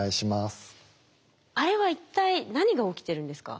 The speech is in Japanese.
あれは一体何が起きてるんですか？